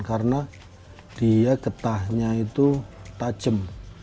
karena dia ketahnya itu tajam